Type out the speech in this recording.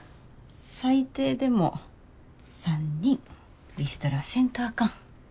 最低でも３人リストラせんとあかん。